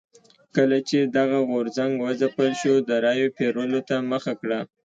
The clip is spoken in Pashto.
کله چې دغه غورځنګ وځپل شو د رایو پېرلو ته مخه کړه.